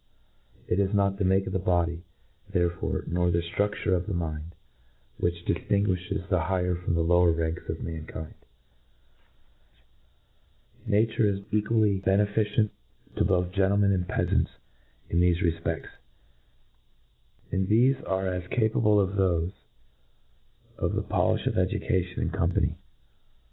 It is not the make qf the body, there fore, nor the ftrufture of the mind, which di ftinguifhes the higher from the lower ranks of mankind. INT R OD U C TI O N. 45 mankind. Nature is equally beneficent to both gentlemen and peafant$ in thcfe jret fpefts J, and thefe are as capable as thofe of the polilh of education and company.